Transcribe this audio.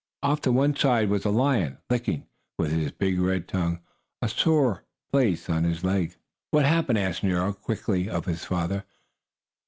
Off to one side was a lion, licking, with his big red tongue, a sore place on his leg. "What happened?" asked Nero quickly, of his father.